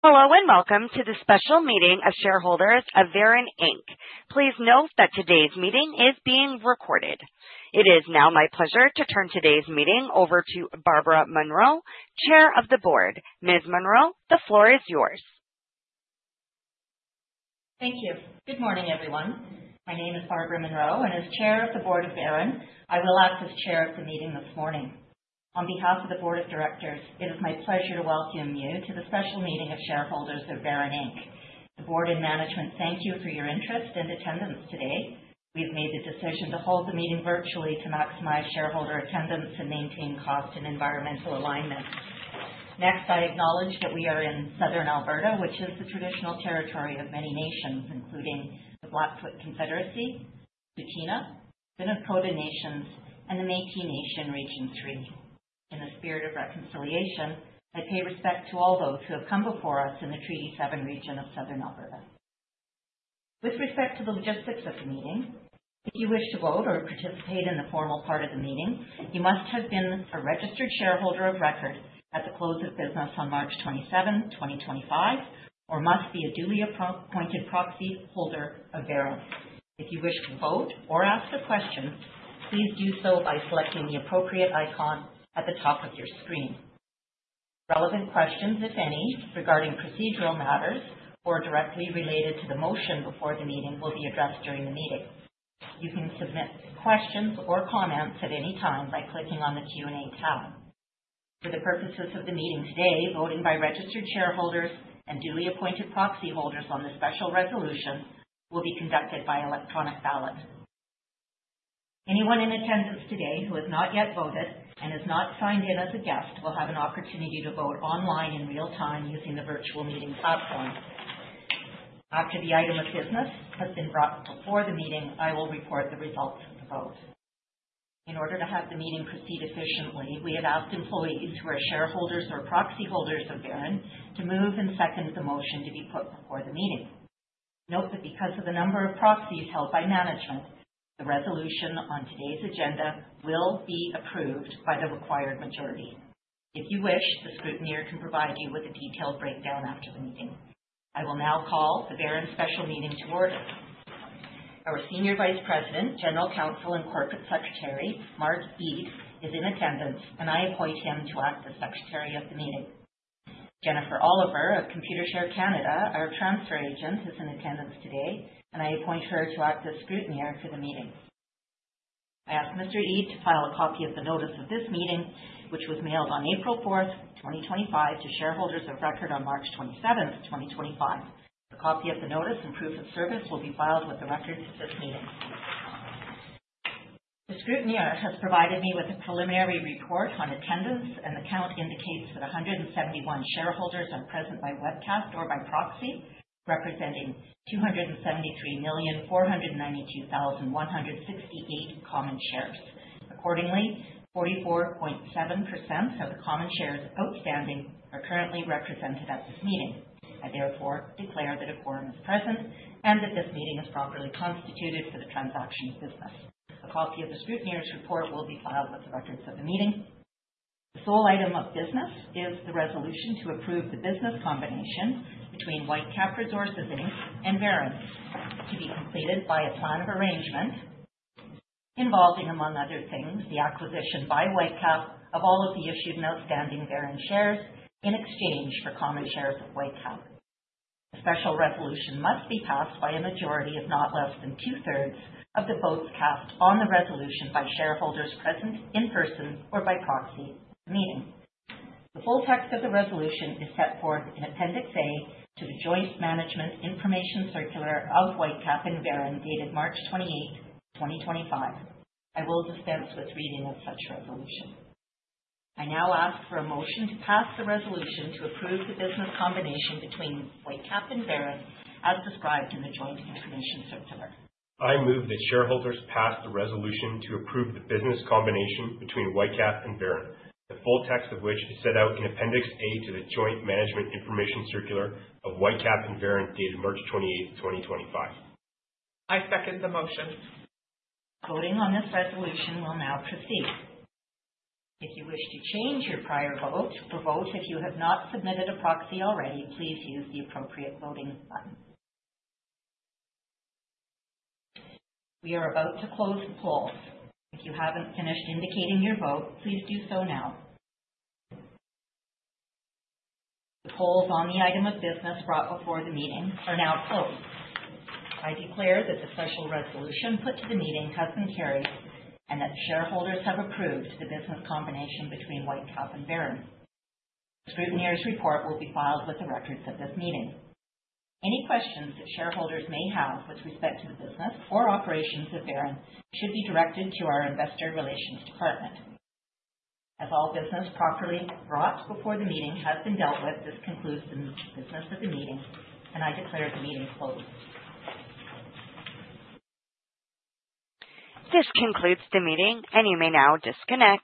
Hello, and welcome to the special meeting of shareholders of Veren. Please note that today's meeting is being recorded. It is now my pleasure to turn today's meeting over to Barbara Munroe, Chair of the Board. Ms. Munroe, the floor is yours. Thank you. Good morning, everyone. My name is Barbara Munroe, and as Chair of the Board of Veren, I will act as Chair of the meeting this morning. On behalf of the Board of Directors, it is my pleasure to welcome you to the special meeting of shareholders of Veren. The Board and Management, thank you for your interest and attendance today. We have made the decision to hold the meeting virtually to maximize shareholder attendance and maintain cost and environmental alignment. Next, I acknowledge that we are in Southern Alberta, which is the traditional territory of many nations, including the Blackfoot Confederacy, the Tsuu T'ina Nation, the Niitsitapi Nations, and the Métis Nation Region 3. In the spirit of reconciliation, I pay respect to all those who have come before us in the Treaty 7 Region of Southern Alberta. With respect to the logistics of the meeting, if you wish to vote or participate in the formal part of the meeting, you must have been a registered shareholder of record at the close of business on March 27, 2025, or must be a duly appointed proxy holder of Veren. If you wish to vote or ask a question, please do so by selecting the appropriate icon at the top of your screen. Relevant questions, if any, regarding procedural matters or directly related to the motion before the meeting will be addressed during the meeting. You can submit questions or comments at any time by clicking on the Q&A tab. For the purposes of the meeting today, voting by registered shareholders and duly appointed proxy holders on the special resolution will be conducted by electronic ballot. Anyone in attendance today who has not yet voted and is not signed in as a guest will have an opportunity to vote online in real time using the virtual meeting platform. After the item of business has been brought before the meeting, I will report the results of the vote. In order to have the meeting proceed efficiently, we have asked employees who are shareholders or proxy holders of Veren to move and second the motion to be put before the meeting. Note that because of the number of proxies held by management, the resolution on today's agenda will be approved by the required majority. If you wish, the scrutineer can provide you with a detailed breakdown after the meeting. I will now call the Veren Special Meeting to order. Our Senior Vice President, General Counsel, and Corporate Secretary, Mark Eates, is in attendance, and I appoint him to act as Secretary of the Meeting. Jennifer Oliver, of Computershare Canada, our transfer agent, is in attendance today, and I appoint her to act as scrutineer for the meeting. I ask Mr. Eates to file a copy of the notice of this meeting, which was mailed on April 4th, 2025, to shareholders of record on March 27th, 2025. A copy of the notice and proof of service will be filed with the record for this meeting. The scrutineer has provided me with a preliminary report on attendance, and the count indicates that 171 shareholders are present by webcast or by proxy, representing 273,492,168 common shares. Accordingly, 44.7% of the common shares outstanding are currently represented at this meeting. I therefore declare that a quorum is present and that this meeting is properly constituted for the transaction of business. A copy of the scrutineer's report will be filed with the records of the meeting. The sole item of business is the resolution to approve the business combination between Whitecap Resources and Veren, to be completed by a plan of arrangement involving, among other things, the acquisition by Whitecap of all of the issued and outstanding Veren shares in exchange for common shares of Whitecap. A special resolution must be passed by a majority of not less than 2/3 of the votes cast on the resolution by shareholders present in person or by proxy at the meeting. The full text of the resolution is set forth in Appendix A to the Joint Management Information Circular of Whitecap and Veren dated March 28th, 2025. I will dispense with reading of such resolution. I now ask for a motion to pass the resolution to approve the business combination between Whitecap and Veren, as described in the Joint Information Circular. I move that shareholders pass the resolution to approve the business combination between Whitecap and Veren, the full text of which is set out in Appendix A to the Joint Management Information Circular of Whitecap and Veren dated March 28, 2025. I second the motion. Voting on this resolution will now proceed. If you wish to change your prior vote or vote if you have not submitted a proxy already, please use the appropriate voting button. We are about to close the polls. If you haven't finished indicating your vote, please do so now. The polls on the item of business brought before the meeting are now closed. I declare that the special resolution put to the meeting has been carried and that shareholders have approved the business combination between Whitecap Resources and Veren. The scrutineer's report will be filed with the records of this meeting. Any questions that shareholders may have with respect to the business or operations of Veren should be directed to our Investor Relations Department. As all business properly brought before the meeting has been dealt with, this concludes the business of the meeting, and I declare the meeting closed. This concludes the meeting, and you may now disconnect.